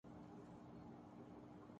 اپنے اختلافات کو بھلا دو۔